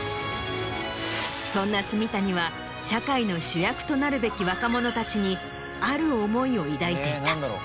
そんな住谷は社会の主役となるべき若者たちにある思いを抱いていた。